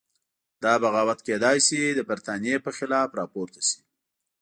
دا بغاوت کېدای شي د برتانیې په خلاف راپورته شي.